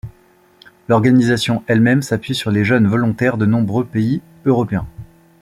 L'organisation elle-même s'appuie sur les jeunes volontaires de nombreux Pays Européens.